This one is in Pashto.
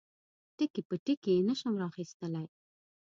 ټکي په ټکي یې نشم را اخیستلای.